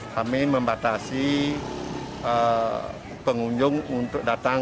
kami membatasi pengunjung untuk datang